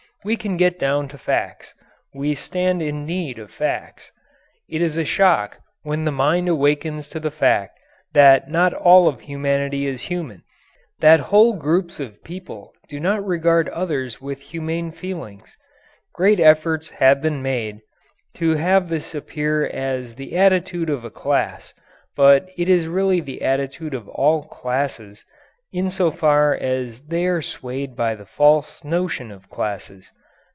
We can get down to facts. We stand in need of facts. It is a shock when the mind awakens to the fact that not all of humanity is human that whole groups of people do not regard others with humane feelings. Great efforts have been made to have this appear as the attitude of a class, but it is really the attitude of all "classes," in so far as they are swayed by the false notion of "classes."